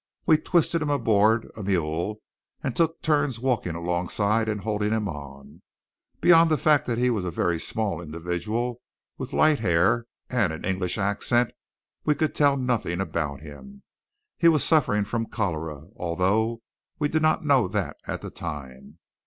We twisted him aboard a mule, and took turns walking alongside and holding him on. Beyond the fact that he was a very small individual with light hair and an English accent, we could tell nothing about him. He was suffering from cholera, although we did not know that at the time.